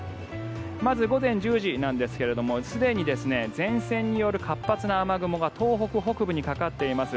まず午前１０時なんですがすでに前線による活発な雨雲が東北北部にかかっています。